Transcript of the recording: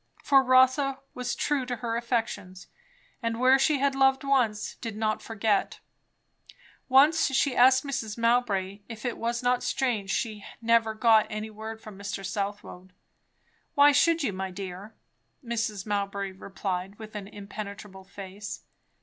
For Rotha was true to her affections; and where she had loved once, did not forget Once she asked Mrs. Mowbray if it was not strange she never got any word from Mr. Southwode? "Why should you, my dear?" Mrs. Mowbray replied, with an impenetrable face.